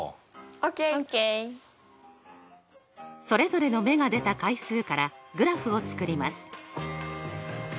それぞれの目が出た回数からグラフを作ります。